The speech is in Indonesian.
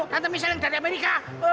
tante michelle yang dari amerika